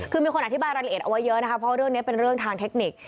คือมีคนอธิบายรายละเอียดเอาไว้เยอะนะคะเพราะว่าเรื่องนี้เป็นเรื่องทางเทคนิค